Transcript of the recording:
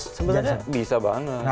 sebetulnya bisa banget